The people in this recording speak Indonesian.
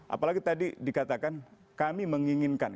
apalagi tadi dikatakan kami menginginkan